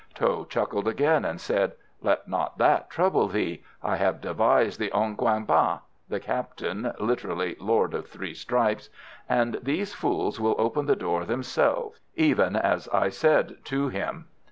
Tho chuckled again, and said: "Let not that trouble thee. I have advised the Ong quang Ba (the Captain literally, 'Lord of three stripes'), and these fools will open the door themselves; even as I said to him."